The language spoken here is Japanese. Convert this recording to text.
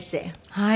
はい。